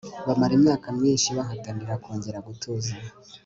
bamara imyaka myinshi bahatanira kongera gutuza